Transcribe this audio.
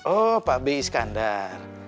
oh pak bay iskandar